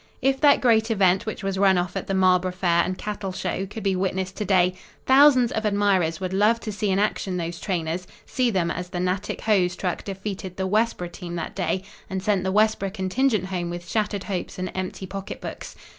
If that great event which was run off at the Marlboro Fair and Cattle Show could be witnessed to day, thousands of admirers would love to see in action those trainers, see them as the Natick Hose truck defeated the Westboro team that day, and sent the Westboro contingent home with shattered hopes and empty pocketbooks.